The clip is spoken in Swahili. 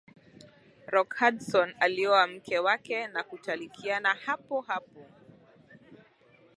rock hudson alioa mke wake na kutalakiana hapohapo